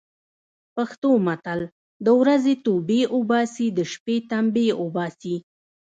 پښتو متل: د ورځې توبې اوباسي، د شپې تمبې اوباسي.